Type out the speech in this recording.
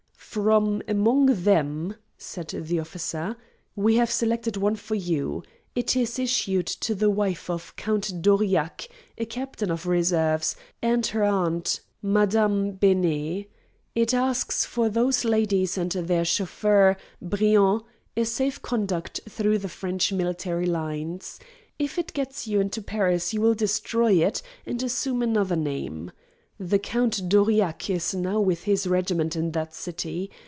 "From among them," said the officer, "we have selected one for you. It is issued to the wife of Count d'Aurillac, a captain of reserves, and her aunt, Madame Benet. It asks for those ladies and their chauffeur, Briand, a safe conduct through the French military lines. If it gets you into Paris you will destroy it and assume another name. The Count d'Aurillac is now with his regiment in that city.